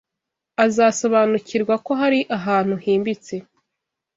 Azasobanukirwa ko hari ahantu himbitse